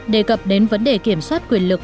đề cập đến vấn đề kiểm soát quyền lực